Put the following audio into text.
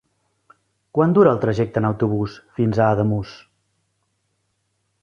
Quant dura el trajecte en autobús fins a Ademús?